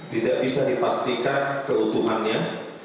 tidak bisa dipastikan keutuhannya